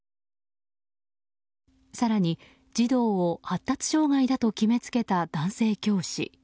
更に児童を発達障害だと決めつけた男性教師。